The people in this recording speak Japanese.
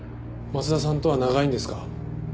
松田さんとは長いんですか？